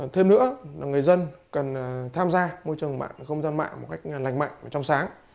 thêm nữa người dân cần tham gia môi trường mạng không gian mạng một cách lành mạnh và trong sáng